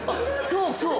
そうそう！